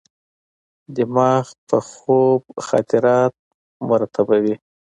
دماغ په خوب خاطرات مرتبوي.